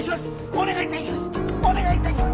お願いいたします！